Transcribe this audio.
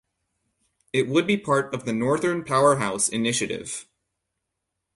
It would be part of the Northern Powerhouse initiative.